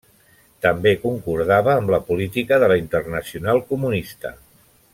També concordava amb la política de la Internacional Comunista.